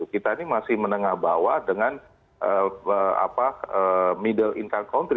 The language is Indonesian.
kita ini masih menengah bawah dengan middle income country